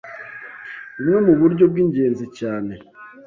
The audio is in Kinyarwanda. Bumwe mu buryo bw’ingenzi cyane